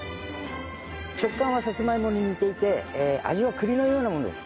食感はサツマイモに似ていて味は栗のようなものです。